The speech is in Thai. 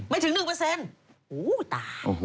ไม่ถึง๑โอ้โฮตา